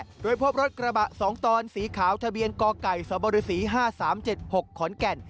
โดยพบรถกระบะ๒ตอนสีขาวทะเบียนกไก่สบศ๕๓๗๖ขอนแก่น